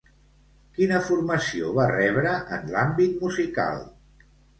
Quina formació va rebre en l'àmbit musical?